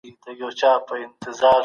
د هغه ځواب له حقیقته ډېر لرې و.